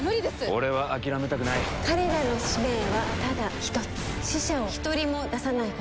俺は諦めたくない彼らの使命はただ一つ死者を１人も出さないことです